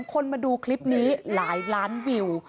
คนมาดูคลิปนี้หลายล้านวิว